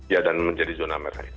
ya dan menjadi zona merah